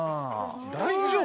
大丈夫？